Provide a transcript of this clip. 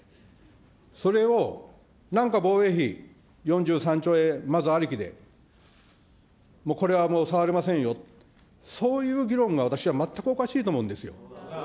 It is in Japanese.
それを、なんか防衛費４３兆円まずありきで、もうこれはもう、触れませんよ、そういう議論が私は全くおかしいと思うんですよ。